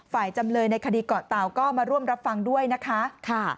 ฝ่ายจำเนยในคดีกเต่าก็มาร่วมรับฟังด้วยนะคะ